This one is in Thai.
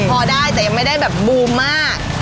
พอได้แต่ยังไม่ได้แบบบูมมาก